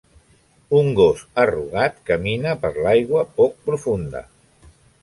Un gos arrugat camina per l'aigua poc profunda.